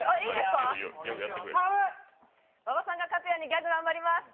馬場さんが勝つようにギャグ頑張ります。